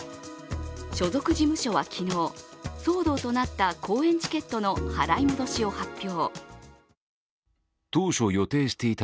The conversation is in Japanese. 所属事務所は昨日、騒動となった公演チケットの払い戻しを発表。